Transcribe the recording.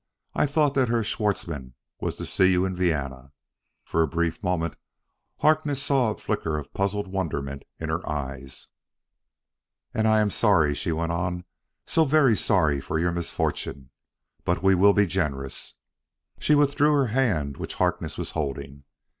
I thought that Herr Schwartzmann was to see you in Vienna!" For a brief moment Harkness saw a flicker of puzzled wonderment in her eyes. "And I am sorry," she went on, " so very sorry for your misfortune. But we will be generous." She withdrew her hand which Harkness was holding.